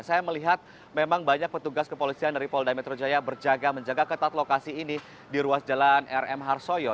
saya melihat memang banyak petugas kepolisian dari polda metro jaya berjaga menjaga ketat lokasi ini di ruas jalan rm harsoyo